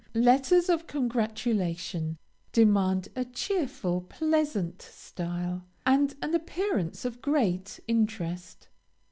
LETTERS OF CONGRATULATION demand a cheerful, pleasant style, and an appearance of great interest.